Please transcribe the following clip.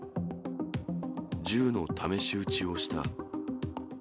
銃の試し撃ちをした。